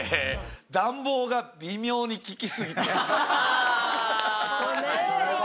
暖房が微妙に効きすぎている。